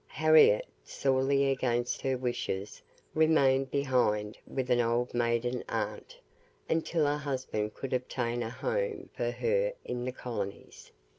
Harriette, sorely against her wishes, remained behind with an old maiden aunt, until her husband could obtain a home for her in the colonies.